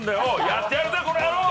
やってやるぜこの野郎！